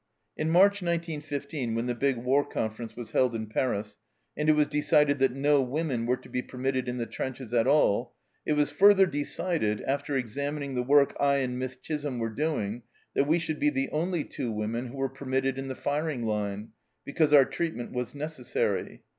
"In March, 1915, when the big war conference was held in Paris, and it was decided that no women were to be permitted in the trenches at all, it was further decided, after examining the work I and Miss Chisholm were doing, that we should be the only two women who were permitted in the firing line, because our treatment was necessary.